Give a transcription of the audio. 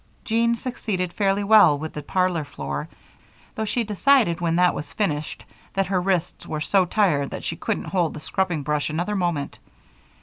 Jean succeeded fairly well with the parlor floor, though she declared when that was finished that her wrists were so tired that she couldn't hold the scrubbing brush another moment.